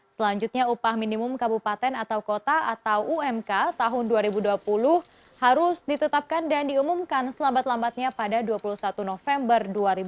selanjutnya upah minimum kabupaten atau kota atau umk tahun dua ribu dua puluh harus ditetapkan dan diumumkan selambat lambatnya pada dua puluh satu november dua ribu dua puluh